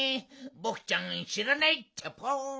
ボクちゃんしらないっちゃぽん！